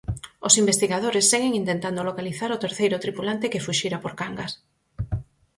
Os investigadores seguen intentando localizar o terceiro tripulante que fuxira por Cangas.